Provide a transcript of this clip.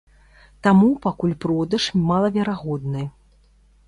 Таму пакуль продаж малаверагодны.